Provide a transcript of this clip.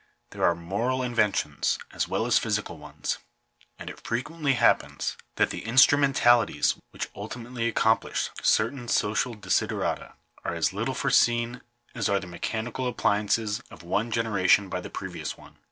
There are moral inventions, as well as physical ones. And it frequently hap pens that the instrumentalities which ultimately accomplish certain social desiderata, are as little foreseen as are the me chanical appliances of one generation by the previous one.